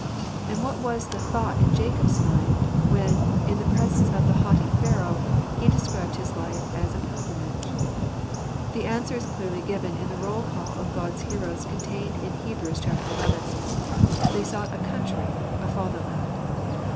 And what was the thought in Jacob's mind, when, in the presence of the haughty Pharaoh, he described his life as a "pilgrimage"? The answer is clearly given in the roll call of God's heroes contained in Hebrews xi. :" They sought a country, a fatherland."